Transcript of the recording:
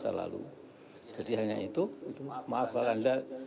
maaf kalau anda terkesan dengan hal hal lain